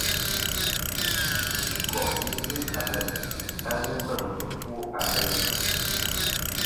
Ikuniko'i ghɨ ale' ki a ghɨ lem ɨfwo ateyn.